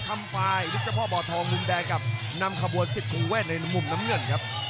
ทำปลายลูกเจ้าพ่อบ่อทองรุมแดงกับนำคบวน๑๐ครู่แว่นในมุมน้ำเงินครับ